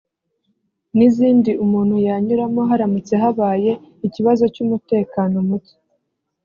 n’izindi umuntu yanyuramo haramutse habaye ikibazo cy’umutekano muke